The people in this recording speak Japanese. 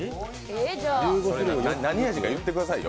何味か言ってくださいよ。